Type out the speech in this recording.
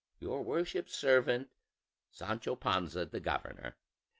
"Your worship's servant, "SANCHO PANZA THE GOVERNOR."